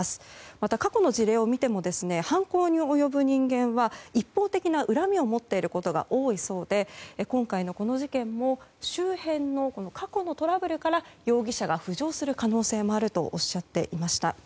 また、過去の事例を見ても犯行に及ぶ人間は一方的な恨みを持っていることが多いそうで今回のこの事件も周辺の過去のトラブルから容疑者が浮上する可能性もあるとおっしゃっていました。